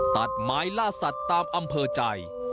ตัดไม้ล่าสัตว์ตามอำเภอใจ